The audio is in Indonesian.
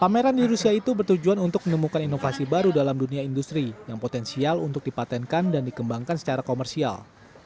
pameran di rusia itu bertujuan untuk menemukan inovasi baru dalam dunia industri yang potensial untuk dipatenkan dan dikembangkan secara komersial